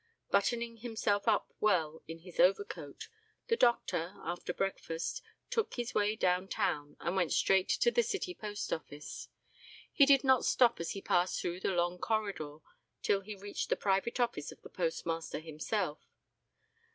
Buttoning himself up well in his overcoat, the doctor, after breakfast, took his way down town, and went straight to the city Post Office. He did not stop as he passed through the long corridor till he reached the private office of the Postmaster himself.